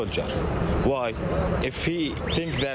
แล้วเขาคิดว่าเราคงคลิกแล้วนะ